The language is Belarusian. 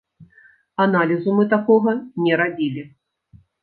Аналізу мы такога не рабілі.